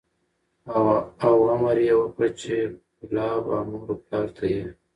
او امر یې وکړ چې کلاب او مور و پلار ته یې